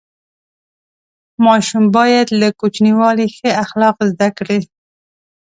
ماشوم باید له کوچنیوالي ښه اخلاق زده کړي.